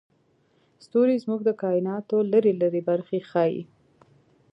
ستوري زموږ د کایناتو لرې لرې برخې ښيي.